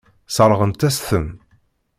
Sseṛɣent-as-ten.